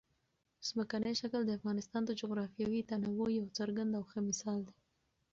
ځمکنی شکل د افغانستان د جغرافیوي تنوع یو څرګند او ښه مثال دی.